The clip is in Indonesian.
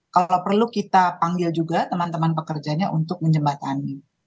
kalau perlu kita panggil juga teman teman pekerjanya untuk menjembatani